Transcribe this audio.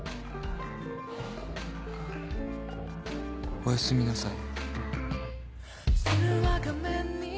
おやすみなさい。